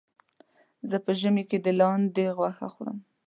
زه په ژمي کې د لاندې غوښه خورم.